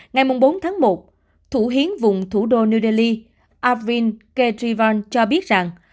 ngày bốn tháng một thủ hiến vùng thủ đô new delhi arvin kedrivan cho biết rằng